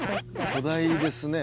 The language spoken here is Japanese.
巨大ですね。